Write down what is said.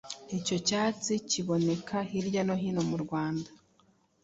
Icyo cyatsi kiboneka hirya no hino m’u Rwanda